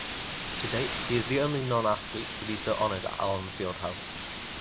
To date he is the only non-athlete to be so honored at Allen Fieldhouse.